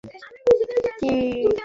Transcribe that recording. তুমি দেখেছ কী হয়েছে।